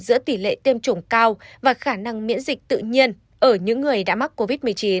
giữa tỷ lệ tiêm chủng cao và khả năng miễn dịch tự nhiên ở những người đã mắc covid một mươi chín